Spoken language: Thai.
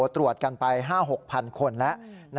ตรวจกันไป๕๖๐๐คนแล้ว